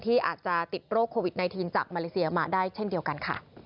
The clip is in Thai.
ที่อาจจะติดโรคโควิด๑๙จากมาเลเซียมาได้เช่นเดียวกันค่ะ